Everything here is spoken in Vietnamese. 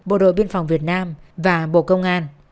bộ đội biên phòng việt nam và bộ công an